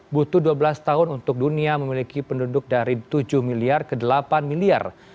butuh dua belas tahun untuk dunia memiliki penduduk dari tujuh miliar ke delapan miliar